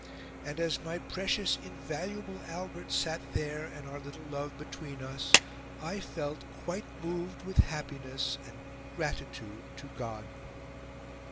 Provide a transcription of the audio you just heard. And, as my precious, invaluable Albert sat there, and our little Love between us, I felt quite moved with happiness and gratitude to God."